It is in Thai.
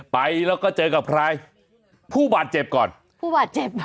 ไปแล้วก็เจอกับใครผู้บาดเจ็บก่อนผู้บาดเจ็บอ่ะ